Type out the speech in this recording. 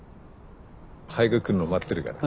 早く来るの待ってるから。